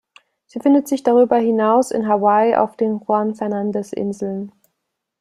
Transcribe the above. Sie findet sich darüber hinaus in Hawaii und auf den Juan-Fernández-Inseln.